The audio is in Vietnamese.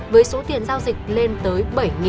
với số tiền giao dịch lên tới